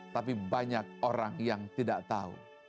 tapi banyak orang yang tidak tahu